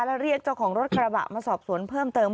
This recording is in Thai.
แล้วเรียกเจ้าของรถกระบะมาสอบสวนเพิ่มเติม